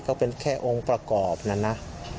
ก็เป็นแค่องค์ประกอบนะนะ